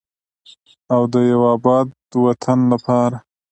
او د یو اباد وطن لپاره.